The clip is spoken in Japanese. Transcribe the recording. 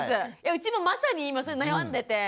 うちもまさに今それ悩んでて。